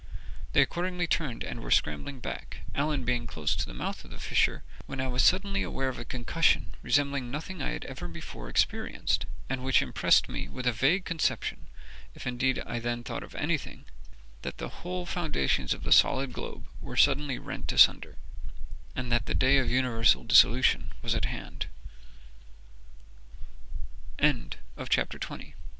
They accordingly turned, and were scrambling back, Allen being close to the mouth of the fissure, when I was suddenly aware of a concussion resembling nothing I had ever before experienced, and which impressed me with a vague conception, if indeed I then thought of anything, that the whole foundations of the solid globe were suddenly rent asunder, and that the day of universal dissolution was at hand. CHAPTER 21